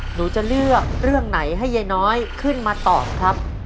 หนูจะเลือกเรื่องไหนให้ยายน้อยขึ้นมาตอบครับ